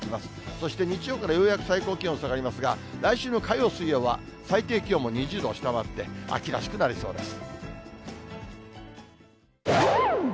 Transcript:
そして日曜からようやく最高気温下がりますが、来週の火曜、水曜は最低気温も２０度を下回って、秋らしくなりそうです。